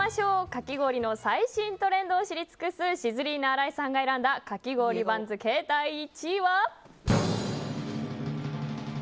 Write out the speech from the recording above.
かき氷の最新トレンドを知り尽くすシズリーナ荒井さんが選んだかき氷番付第１位は。